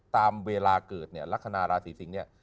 ตามเวลาเกิดเนี่ยลักษณะราศีสิงศ์เนี่ย